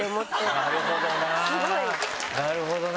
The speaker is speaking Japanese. なるほどな！